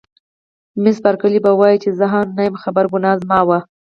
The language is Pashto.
مس بارکلي: په ولې یې زه هم نه یم خبره، ګناه زما وه.